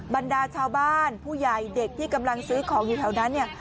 บรรดาชาวบ้านผู้ใหญ่เด็กที่กำลังซื้อของอยู่แถวนั้นเนี่ย